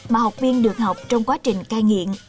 mà học viên được học trong quá trình cai nghiện